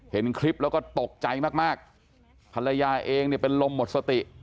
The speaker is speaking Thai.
เห็นคลิปแล้วก็ตกใจมากภรรยาเองเนี่ยเป็นลมหมดสติ